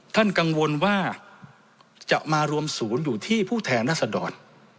ท่านกังวลว่าจะมารวมศูนย์อยู่ที่ผู้แทนรัศดร